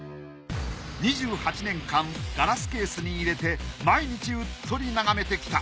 ２８年間ガラスケースに入れて毎日うっとり眺めてきた。